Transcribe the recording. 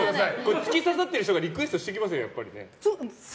突き刺さっている人がリクエストしてきますよね。